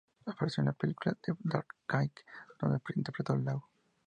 Apareció en la película "The Dark Knight" donde interpretó a Lau.